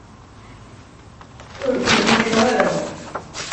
Ur ken-ḥemmleɣ ara.